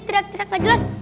tidak tidak gak jelas